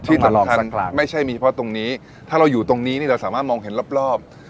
ที่สำคัญไม่ใช่มีเฉพาะตรงนี้ถ้าเราอยู่ตรงนี้นี่เราสามารถมองเห็นรอบ